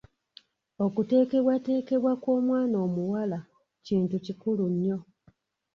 Okuteekebwateekebwa kw’omwana omuwala kintu kikulu nnyo.